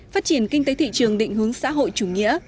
phát triển kinh tế thị trường định hướng xã hội